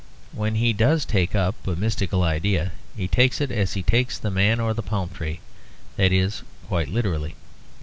When he does take up a mystical idea he takes it as he takes the man or the palm tree; that is, quite literally.